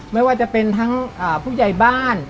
ไม่ว่าจะเป็นทั้งผู้ใหญ่บ้าน